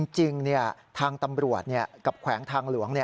จริงทางตำรวจกับแขวงทางหลวง